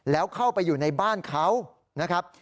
แล้วเข้าไปอยู่ในบ้านเขานะครับ